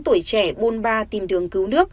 tuổi trẻ bôn ba tìm đường cứu nước